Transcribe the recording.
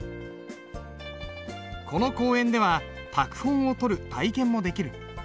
この公園では拓本をとる体験もできる。